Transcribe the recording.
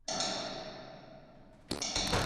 侧耳属的菇类常出现在热带气候和温带气候。